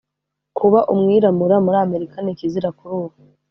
kuba umwiramura muri amerika ni ikizira kuri ubu